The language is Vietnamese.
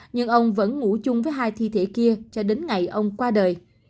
nhưng ông vẫn ngủ chung với hai thi thể kia cho đến ngày ông qua đời